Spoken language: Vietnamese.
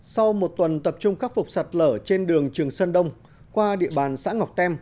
sau một tuần tập trung khắc phục sạt lở trên đường trường sơn đông qua địa bàn xã ngọc tem